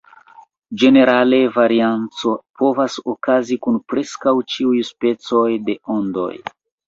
Ĝenerale varianco povas okazi kun preskaŭ ĉiuj specoj de ondoj.